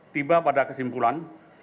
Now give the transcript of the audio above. tiba pada kesimpulan